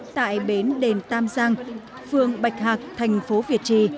tại bến đền tam giang phường bạch hạc thành phố việt trì